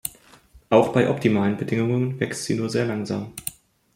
Auch bei optimalen Bedingungen wächst sie nur sehr langsam.